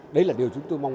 đấy là điều chúng tôi mong